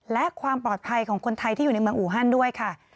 และความปลอดภัยของคนไทยที่อยู่ในเมืองอูฮันด้วยค่ะ